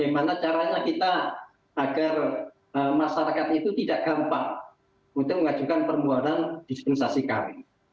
bagaimana caranya kita agar masyarakat itu tidak gampang untuk mengajukan permohonan dispensasi kami